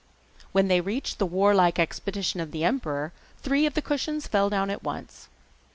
When they reached the warlike expedition of the emperor three of the cushions fell down at once.